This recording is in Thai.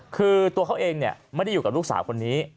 คือตัวเขาเองไม่ได้อยู่กับลูกสาวคนนี้